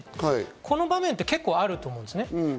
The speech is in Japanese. この場面で結構あると思うんです。